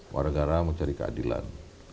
warga warga mencari keadilan